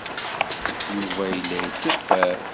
Yuba yella yetteffer.